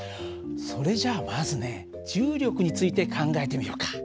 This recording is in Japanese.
それじゃあまずね重力について考えてみようか。